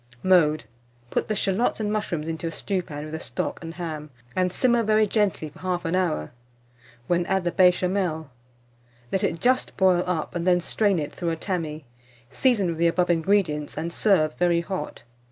Mode. Put the shalots and mushrooms into a stewpan with the stock and ham, and simmer very gently for 1/2 hour, when add the Béchamel. Let it just boil up, and then strain it through a tammy; season with the above ingredients, and serve very hot.